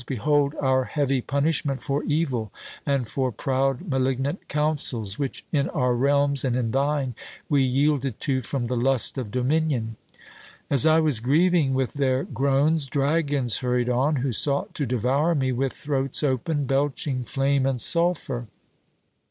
behold our heavy punishment for evil, and for proud malignant counsels, which, in our realms and in thine, we yielded to from the lust of dominion.' As I was grieving with their groans, dragons hurried on, who sought to devour me with throats open, belching flame and sulphur.